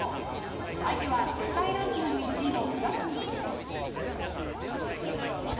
相手は世界ランキング１位のクラスニチ。